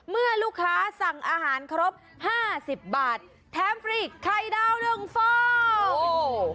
เมื่อลูกค้าสั่งอาหารครบ๕๐บาทแท้มฟรีกไข่ดาว๑ฟอร์